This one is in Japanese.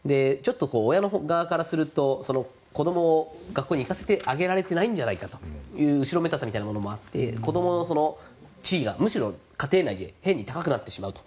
親側からすると子どもを学校に行かせられてあげてないんじゃないかという後ろめたさみたいなものもあって子どもの地位がむしろ家庭内で変に高くなってしまうと。